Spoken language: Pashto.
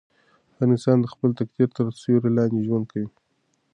هر انسان د خپل تقدیر تر سیوري لاندې ژوند کوي.